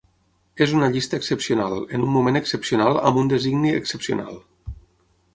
És una llista excepcional, en un moment excepcional amb un designi excepcional.